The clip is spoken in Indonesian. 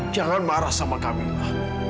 jangan marah sama camilla